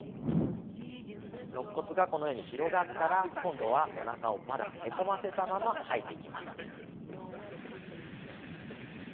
◆ろっ骨がこのように広がったら今度はおなかをまだへこませたまま吐いていきます。